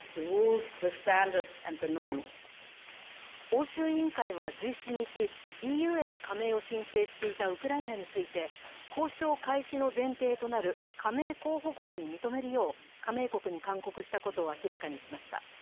欧州委員会は１７日、ＥＵへの加盟を申請していたウクライナについて、交渉開始の前提となる加盟候補国に認めるよう、加盟国に勧告したことを明らかにしました。